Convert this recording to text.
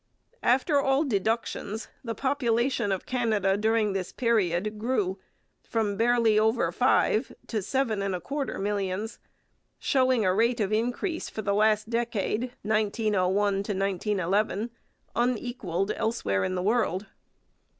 After all deductions, the population of Canada during this period grew from barely over five to seven and a quarter millions, showing a rate of increase for the last decade (1901 11) unequalled elsewhere in the world.